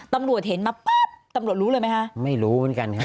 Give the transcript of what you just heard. ทรวจสิบใช่ไหมไม่รู้